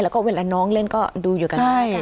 แล้วก็เวลาน้องเล่นก็ดูอยู่กันได้